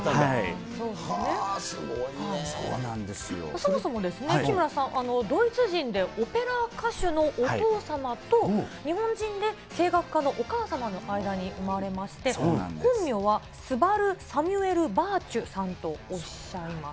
お母さんのスタイル、はあ、そもそも木村さん、ドイツ人で、オペラ歌手のお父様と、日本人で声楽家のお母様の間に生まれまして、本名は、スバル・サミュエル・バーチュさんとおっしゃいます。